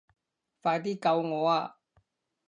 快啲救我啊